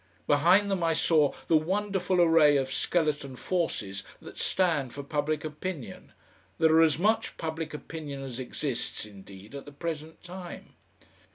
Behind them I saw the wonderful array of skeleton forces that stand for public opinion, that are as much public opinion as exists indeed at the present time.